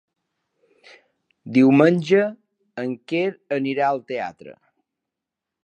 Diumenge en Quer anirà al teatre.